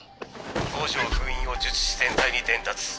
五条封印を術師全体に伝達。